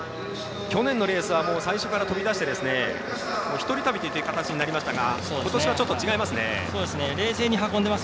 去年のレースは最初から飛び出して一人旅という形になりましたがことしはちょっと違いますね。